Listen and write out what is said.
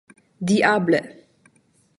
diable